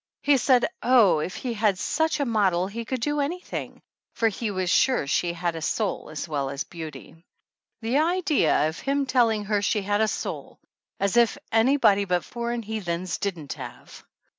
He said oh, if he had such a model he could do anything, for he was sure she had soul as well as beauty. 109 THE ANNALS OF ANN The idea of him telling her she had a soul as if anybody but foreign heathens didn't have!